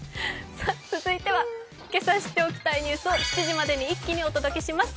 続いてはけさ知っておきたいニュースを７時までに一気にお届けします。